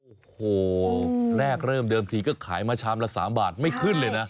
โอ้โหแรกเริ่มเดิมทีก็ขายมาชามละ๓บาทไม่ขึ้นเลยนะ